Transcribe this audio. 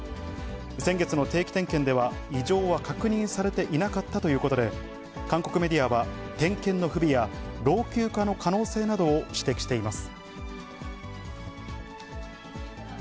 先月の定期点検では異常は確認されていなかったということで、韓国メディアは、点検の不備や老朽化の可能性などを指摘しています。